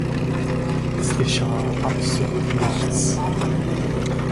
Es geschah absolut nichts.